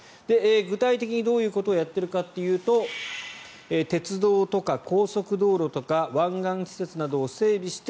具体的にどういうことをやっているかというと鉄道とか高速道路とか湾岸施設などを整備して